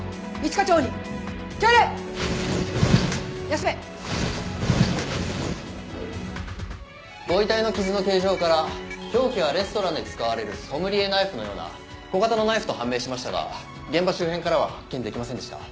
休め！ご遺体の傷の形状から凶器はレストランで使われるソムリエナイフのような小型のナイフと判明しましたが現場周辺からは発見できませんでした。